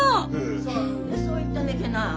・そんでそう言ったねけな。